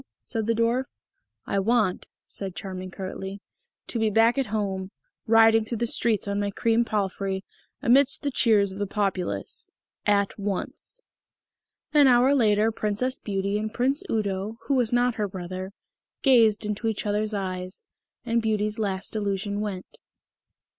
said the Dwarf. "I want," said Charming curtly, "to be back at home, riding through the streets on my cream palfrey, amidst the cheers of the populace.... At once." An hour later Princess Beauty and Prince Udo, who was not her brother, gazed into each other's eyes; and Beauty's last illusion went.